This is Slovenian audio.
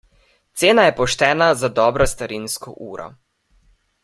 Cena je poštena za dobro starinsko uro.